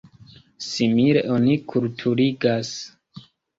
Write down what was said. Simile oni kulturigas.